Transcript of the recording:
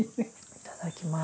いただきます。